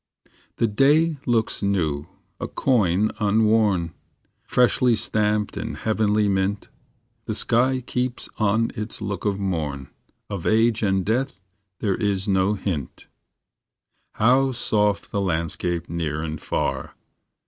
The day looks new, a coin unworn, Freshly stamped in heavenly mint: . The sky keeps on its look of morn; Of age and death there is no hint. How soft the landscape near and far!